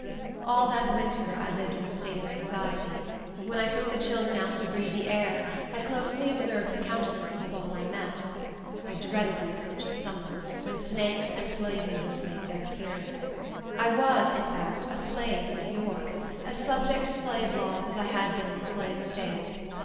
All that winter I lived in a state of anxiety. When I took the children out to breathe the air, I closely observed the countenances of all I met. I dreaded the approach of summer, when snakes and slaveholders make their appearance. I was, in fact, a slave in New York, as subject to slave laws as I had been in a Slave State.